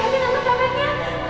makasih banyak ya